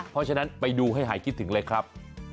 เพราะฉะนั้นไปดูให้หายคิดถึงเลยครับ